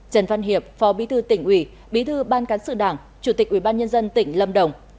trần văn hiệp phó bí thư tỉnh ủy bí thư ban cán sự đảng chủ tịch ủy ban nhân dân tỉnh lâm đồng